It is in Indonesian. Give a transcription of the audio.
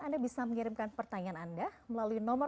anda bisa mengirimkan pertanyaan anda